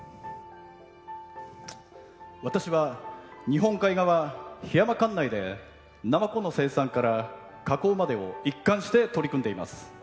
私は日本海側、檜山管内でナマコの生産から加工までを一貫して取り組んでいます。